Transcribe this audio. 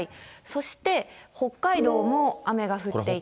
そして北海道も雨が降っていて。